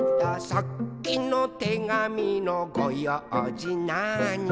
「さっきのてがみのごようじなーに」